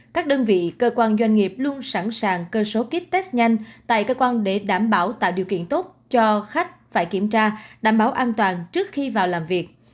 các đơn vị cơ quan doanh nghiệp luôn sẵn sàng cơ số kit test nhanh tại cơ quan để đảm bảo tạo điều kiện tốt cho khách phải kiểm tra đảm bảo an toàn trước khi vào làm việc